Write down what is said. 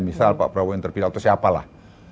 misal pak prabowo yang terpilih atau siapa lah